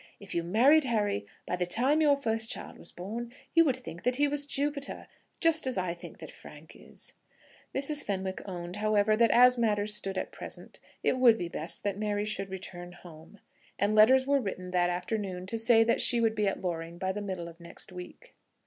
If you married Harry, by the time your first child was born you would think that he was Jupiter, just as I think that Frank is." Mrs. Fenwick owned, however, that as matters stood at present, it would be best that Mary should return home; and letters were written that afternoon to say that she would be at Loring by the middle of next week.